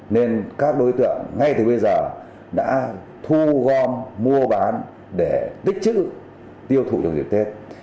nên các đối tượng ngay từ bây giờ đã thu gom mua bán để tích chữ tiêu thụ trong dịp tết